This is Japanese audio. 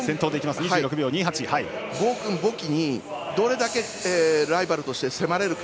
暴君ボキにどれだけライバルとして迫れるか。